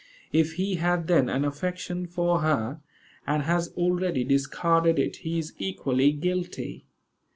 If he had then an affection for her, and has already discarded it, he is equally guilty.